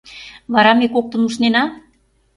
Вара ме коктын ушнена?